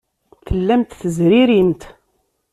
Tellamt tezririmt.